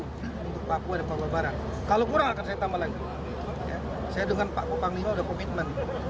untuk papua dan papua barat kalau kurang akan saya tambah lagi saya dengan pak panglima sudah komitmen